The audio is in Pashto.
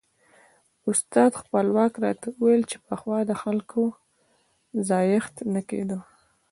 استاد خپلواک راته ویل چې پخوا د خلکو ځایښت نه کېده.